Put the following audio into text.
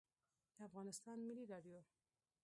د افغانستان ملی رادیو